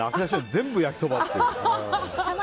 全部焼きそばっていう。